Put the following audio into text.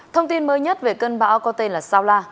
thông tin mới nhất về cơn bão có tên là saula